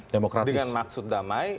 dengan maksud damai